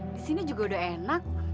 disini juga udah enak